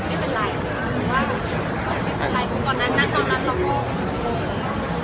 ช่องความหล่อของพี่ต้องการอันนี้นะครับ